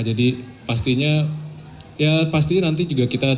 jadi pastinya ya pasti nanti juga kita